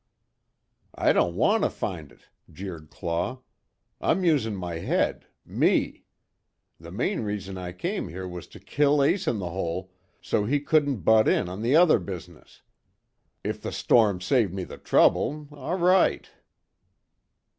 "I don't want to find it," jeered Claw, "I'm usin' my head me. The main reason I come here was to kill Ace In The Hole, so he couldn't butt in on the other business. If the storm saved me the trouble, all right."